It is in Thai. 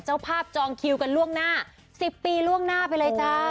เจ้าภาพจองคิวกันล่วงหน้า๑๐ปีล่วงหน้าไปเลยจ้า